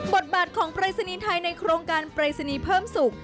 บทบาทของปรายศนีย์ไทยในโครงการปรายศนีย์เพิ่มสุข